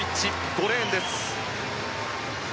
５レーンです。